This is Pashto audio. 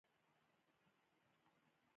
د تخت سلیمان کیسه د مېړانې الهام ورکوي.